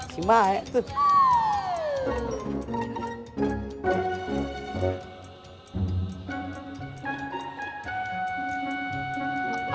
si maek tuh